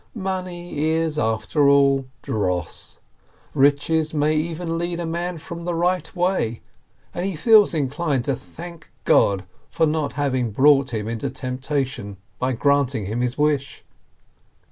Money is, after all, dross, riches may even lead a man from the right way, and he feels inclined to thank God for not having brought him into temptation by granting him his wish.